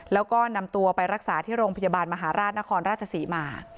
แล้วก็นำตัวไปรักษาที่โรงพยาบาลมหาราชนครราชศรีมา